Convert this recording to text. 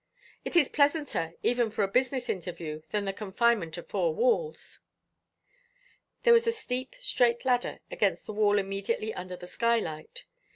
It is pleasanter even for a business interview than the confinement of four walls." There was a steep straight ladder against the wall immediately under the skylight.